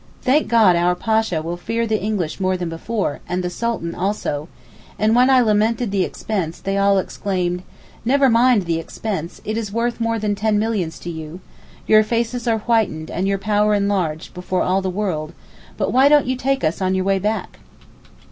'Thank God our Pasha will fear the English more than before, and the Sultan also,' and when I lamented the expense, they all exclaimed, 'Never mind the expense, it is worth more than ten millions to you; your faces are whitened and your power enlarged before all the world; but why don't you take us on your way back.